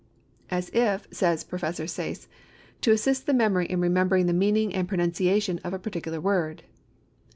"As if," says Prof. Sayce, "to assist the memory in remembering the meaning and pronunciation of a particular word."